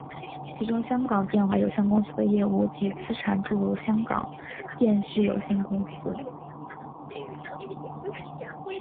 其中香港电话有限公司的业务及资产注入香港电讯有限公司。